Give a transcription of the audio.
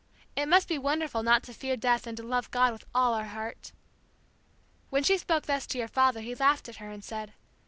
It must be wonderful not to fear death and to love God with all our heart' When she spoke thus to your father he laughed at her and said.